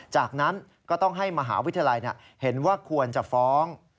จากนั้นก็ต้องให้มหาวิทยาลัยเห็นว่าควรจะฟ้อง